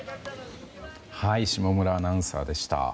下村アナウンサーでした。